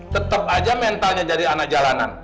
tetap aja mentalnya jadi anak jalanan